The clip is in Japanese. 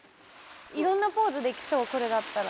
色んなポーズできそうこれだったら。